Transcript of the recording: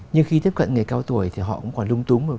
nhưng khi tiếp cận người cao tuổi thì họ cũng còn lung túng